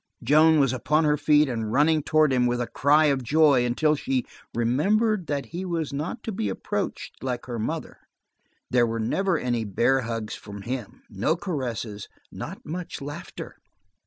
Joan was upon her feet, and running toward him with a cry of joy, until she remembered that he was not to be approached like her mother. There were never any bear hugs from him, no caresses, not much laughter.